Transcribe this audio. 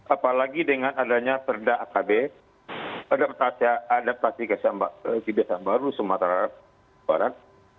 apalagi dengan adanya perda akb adaptasi kegiatan baru di sumatera barat